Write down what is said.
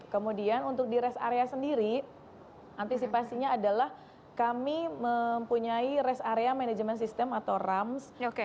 kemudian untuk di rest area sendiri antisipasinya adalah kami mempunyai rest area management system atau rams